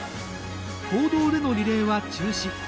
公道でのリレーは中止。